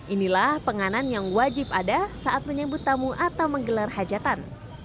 inilah penganan yang wajib ada saat menyambut tamu atau menggelar hajatan